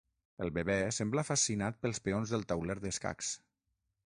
El bebè sembla fascinat pels peons del tauler d'escacs.